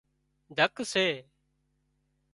ڍڪ سي